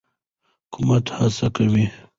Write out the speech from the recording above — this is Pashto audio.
حکومت هڅې کوي.